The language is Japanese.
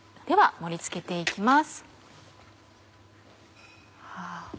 盛り付けて行きます。